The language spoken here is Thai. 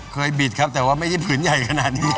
บิดครับแต่ว่าไม่ใช่ผืนใหญ่ขนาดนี้